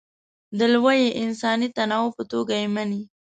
د لوی انساني تنوع په توګه یې مني.